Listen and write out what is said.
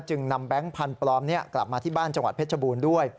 นำแบงค์พันธุ์ปลอมนี้กลับมาที่บ้านจังหวัดเพชรบูรณ์ด้วย